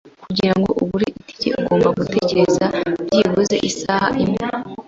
Kugirango ugure itike, ugomba gutegereza byibuze isaha imwe. )